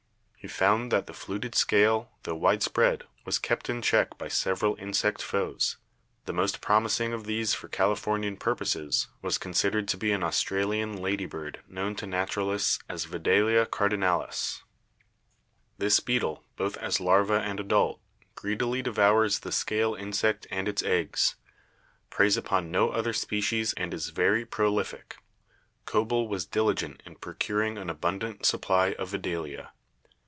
He found that the fluted scale, tho widespread, was kept in check by several insect foes. The most promising of these for Californian purposes was considered to be an Australian lady bird known to naturalists as 'Vedalia car dinalis/ This beetle, both as larva and adult, greedily devours the scale insect and its eggs, preys upon no other species and is very prolific. Koebele was diligent in pro curing an abundant supply of Vedalia.